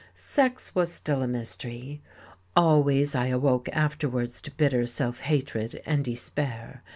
Sex was still a mystery.... Always I awoke afterwards to bitter self hatred and despair....